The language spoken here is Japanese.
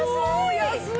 安い！